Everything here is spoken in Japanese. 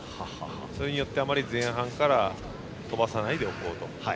それによって前半からあまり飛ばさないでおこうと。